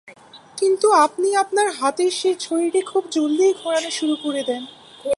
কিন্তু আপনি আপনার হাতের সেই ছড়িটা খুব জলদিই ঘোরানা শুরু করে দেন।